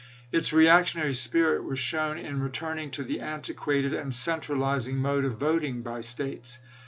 Its reactionary spirit was shown in returning to the antiquated and centralizing mode of voting by States.